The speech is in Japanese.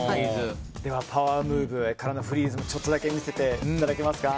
パワームーブからのフリーズちょっとだけ見せていただけますか？